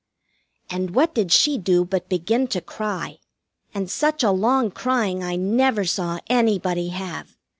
And what did she do but begin to cry, and such a long crying I never saw anybody have.